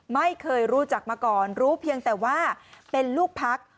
ไม่เคยรู้จักมาก่อนรู้เพียงแต่ว่าเป็นลูกพัก